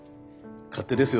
勝手ですよね